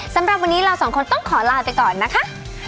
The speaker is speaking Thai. สำหรับวันนี้เราสองคนต้องขอลาไปก่อนนะคะ